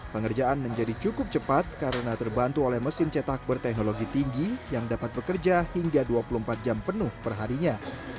pengerjaan menjadi cukup cepat karena terbantu oleh mesin cetak berteknologi tinggi yang dapat bekerja hingga dua puluh empat jam penuh perharinya